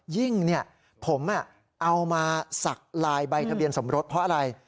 ยิ่งผมเอามาสักลายใบทะเบียนสมรสเพราะอะไร